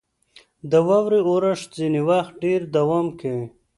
• د واورې اورښت ځینې وخت ډېر دوام کوي.